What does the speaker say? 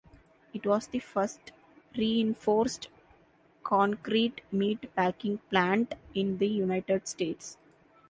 It was the first reinforced concrete meat packing plant in the United States.